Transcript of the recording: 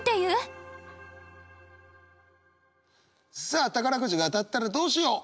さあ宝くじが当たったらどうしよう？